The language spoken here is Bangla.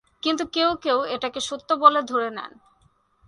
কিন্তু কেউ কেউ এটাকে সত্য বলে ধরে নেন।